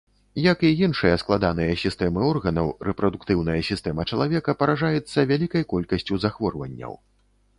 Як і іншыя складаныя сістэмы органаў, рэпрадуктыўная сістэма чалавека паражаецца вялікай колькасцю захворванняў.